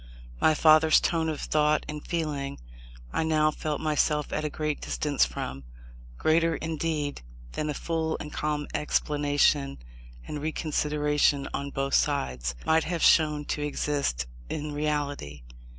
My father's tone of thought and feeling, I now felt myself at a great distance from: greater, indeed, than a full and calm explanation and reconsideration on both sides, might have shown to exist in reality.